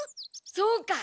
そうか！